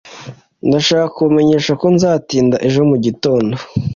ndashaka kubamenyesha ko nzatinda ejo mugitondo